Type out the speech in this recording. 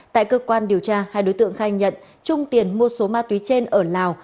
tại cơ quan điều tra hai đối tượng khai nhận trung tiền mua số ma túy trên ở lào